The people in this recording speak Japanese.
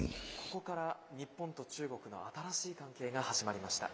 ここから日本と中国の新しい関係が始まりました。